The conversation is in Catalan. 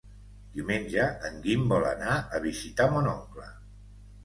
Diumenge en Guim vol anar a visitar mon oncle.